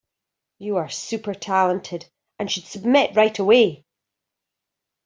You are super talented and should submit right away.